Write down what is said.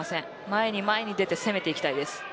前に前に出て攻めていきたいです。